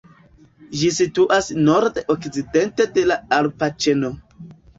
Ĝi situas nord-okcidente de la alpa ĉeno.